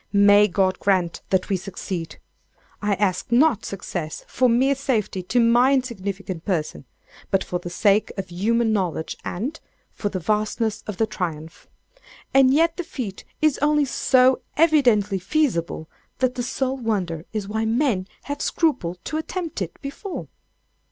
May God grant that we succeed! I ask not success for mere safety to my insignificant person, but for the sake of human knowledge and—for the vastness of the triumph. And yet the feat is only so evidently feasible that the sole wonder is why men have scrupled to attempt it before.